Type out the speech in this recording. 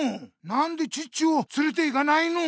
なんでチッチをつれていかないの！